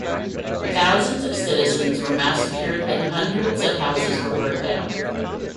Thousands of citizens were massacred and hundreds of houses were burnt down.